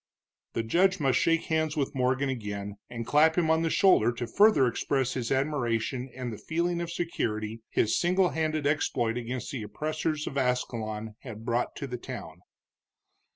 The judge must shake hands with Morgan again, and clap him on the shoulder to further express his admiration and the feeling of security his single handed exploit against the oppressors of Ascalon had brought to the town.